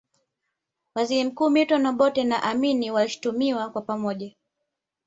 Waziri mkuu Milton Obote na Amin walishutumiwa kwa pamoja